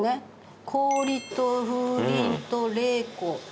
「氷」と「風鈴」と「冷珈」。